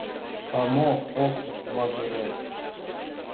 — А мо ок магыре?